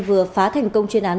vừa phá thành công công nghệ đà nẵng